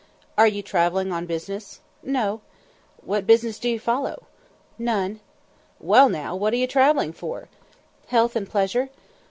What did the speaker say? "Are you travelling on business?" "No." "What business do you follow?" "None." "Well, now, what are you travelling for?" "Health and pleasure."